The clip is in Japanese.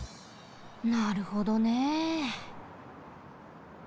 なるほどね。